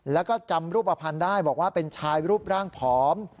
แล้วก็จำรูปภัณฑ์ได้บอกว่าเป็นชายรูปร่างผอม